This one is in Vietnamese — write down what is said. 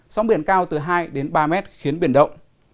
sóng biển cao từ hai đến ba mét khiến biển động